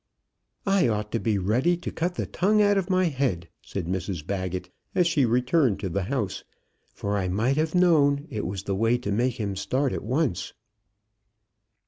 "I ought to be ready to cut the tongue out of my head," said Mrs Baggett as she returned to the house, "for I might have known it was the way to make him start at once."